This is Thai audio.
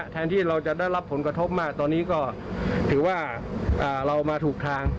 แทนที่เราจะได้รับผลกระทบมากตอนนี้ก็ถือว่าเรามาถูกทาง